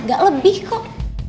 gak lebih kok